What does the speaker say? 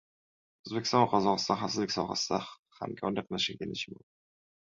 O‘zbekiston va Qozog‘iston xavfsizlik sohasida hamkorlik qilishga kelishib oldi